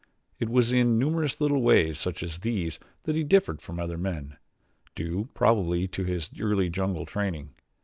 It was in numerous little ways such as these that he differed from other men, due, probably, to his early jungle training.